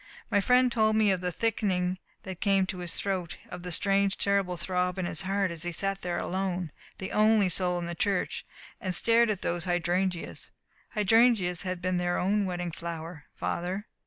My friend told me of the thickening that came in his throat, of the strange, terrible throb in his heart as he sat there alone the only soul in the church and stared at those hydrangeas. Hydrangeas had been their own wedding flower, Father.